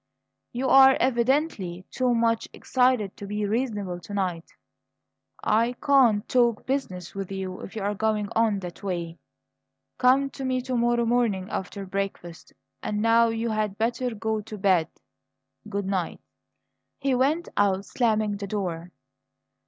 "You are evidently too much excited to be reasonable to night. I can't talk business with you if you're going on that way. Come to me to morrow morning after breakfast. And now you had better go to bed. Good night." He went out, slamming the door.